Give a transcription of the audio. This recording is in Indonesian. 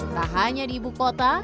tak hanya di ibu kota